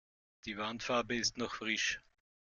Die Wandfarbe ist noch frisch.